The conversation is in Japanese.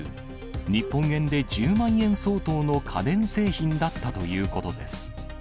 日本円で１０万円相当の家電製品だったということです。